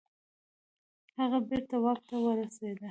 هغه بیرته واک ته ورسیده.